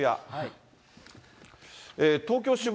東京・渋谷。